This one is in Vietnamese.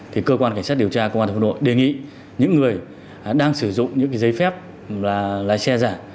thì cơ quan cảnh sát điều tra cơ quan thành phố nội đề nghị những người đang sử dụng những cái giấy phép lái xe máy